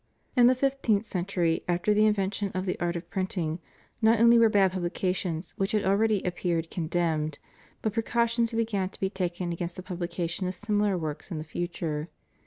In the fifteenth century, after the invention of the art of printing, not only were bad publications which had al ready appeared condemned, but precautions began to be taken against the pubhcation of similar works in the future.